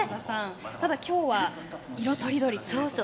ただ、今日は色とりどりという。